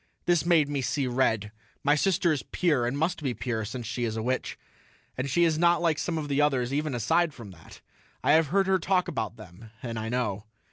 This made me see red; my sister is pure and must be pure, since she is a witch. And she is not like some of the others even aside from that. I have heard her talk about them and I know.